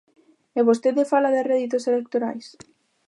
¿E vostede fala de réditos electorais?